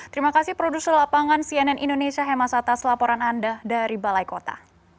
terima kasih produser lapangan cnn indonesia hemas atas laporan anda dari balai kota